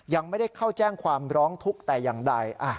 ยังไม่ได้เข้าแจ้งความร้องทุกข์แต่อย่างใด